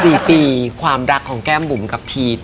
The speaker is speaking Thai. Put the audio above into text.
สี่ปีความรักของแก้มบุ๋มกับพีช